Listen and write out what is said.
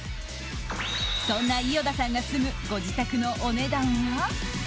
そんな伊與田さんが住むご自宅のお値段は？